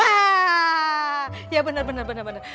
ah ya benar benar